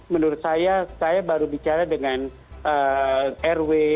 menurut saya saya baru bicara dengan rw